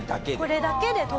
これだけで。